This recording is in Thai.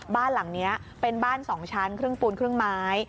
บ้านหลังนี้เป็นบ้าน๒ชั้นครึ่งปูนครึ่งไม้